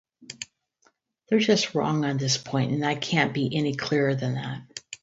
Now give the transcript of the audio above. They're just wrong on this point and I can't be any clearer than that.